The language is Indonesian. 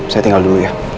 saya tinggal dulu ya